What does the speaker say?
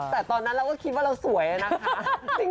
แต่ตอนนั้นเราก็คิดว่าเราสวยนะคะ